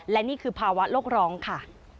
และนี่คือภาวะโลกร้องค่ะ